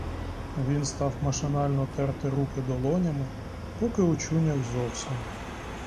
Він став машинально терти руки долонями поки очуняв зовсім.